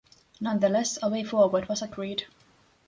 Nonetheless, a way forward was agreed.